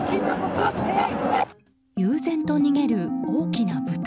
悠然と逃げる大きなブタ。